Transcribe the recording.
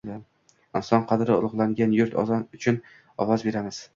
Inson qadri ulug‘langan yurt uchun ovoz beramiz